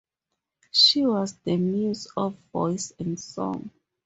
She was the muse of voice and song.